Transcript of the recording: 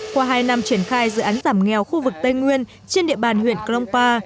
qua hai năm triển khai dự án giảm nghèo khu vực tây nguyên trên địa bàn huyện krongpa